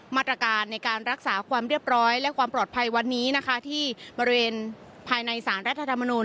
มาตรการในการรักษาความเรียบร้อยและความปลอดภัยวันนี้นะคะที่บริเวณภายในสารรัฐธรรมนูล